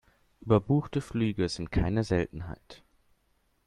Überbuchte Flüge sind keine Seltenheit.